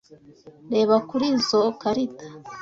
Reba kuri izoi karita.